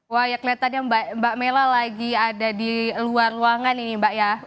wah ya kelihatannya mbak mela lagi ada di luar ruangan ini mbak ya